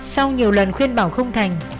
sau nhiều lần khuyên bảo không thành